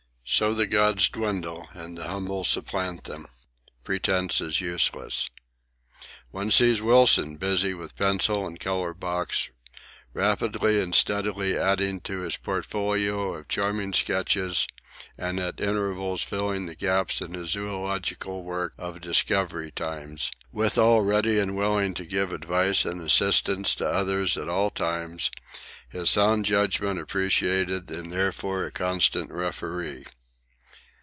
So the 'gods' dwindle and the humble supplant them. Pretence is useless. One sees Wilson busy with pencil and colour box, rapidly and steadily adding to his portfolio of charming sketches and at intervals filling the gaps in his zoological work of Discovery times; withal ready and willing to give advice and assistance to others at all times; his sound judgment appreciated and therefore a constant referee.